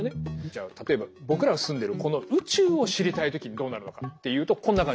じゃあ例えば僕らが住んでるこの宇宙を知りたい時にどうなるのかっていうとこんな感じです。